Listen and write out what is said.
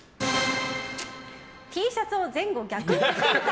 Ｔシャツを前後逆に着ていた。